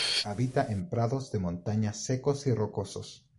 Habita en prados de montaña secos y rocosos.